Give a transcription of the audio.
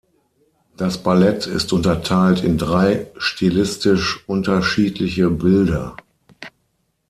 Das Ballett ist unterteilt in drei stilistisch unterschiedliche Bilder.